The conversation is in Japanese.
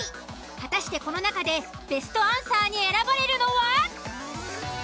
果たしてこの中でベストアンサーに選ばれるのは？